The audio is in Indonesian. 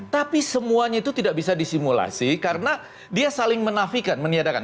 tapi semuanya itu tidak bisa disimulasi karena dia saling menafikan meniadakan